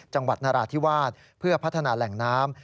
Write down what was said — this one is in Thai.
จังหวัดนราธิวาสเพื่อพัฒนาแหล่งน้ำ